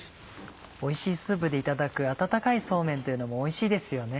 おいしいスープでいただく温かいそうめんというのもおいしいですよね。